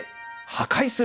破壊する。